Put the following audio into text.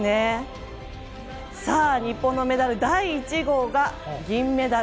日本のメダル第１号が銀メダル。